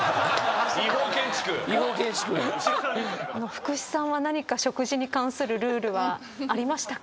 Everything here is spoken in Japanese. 福士さんは何か食事に関するルールはありましたか？